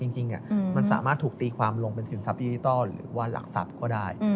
จริงมันสามารถถูกตีความลงเป็นสินทรัพดิจิทัลหรือว่าหลักทรัพย์ก็ได้